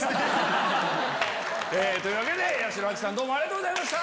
というわけで八代亜紀さんどうもありがとうございました。